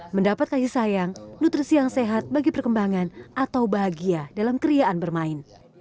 mendapatkan hisayang nutrisi yang sehat bagi perkembangan atau bahagia dalam keriaan bermain